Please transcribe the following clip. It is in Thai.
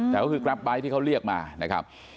แต่ก็คือกราฟไบท์ที่เขาเรียกมานะครับ